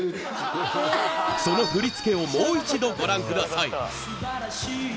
その振り付けをもう一度ご覧ください。